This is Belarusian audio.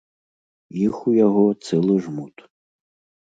Іх у яго цэлы жмут.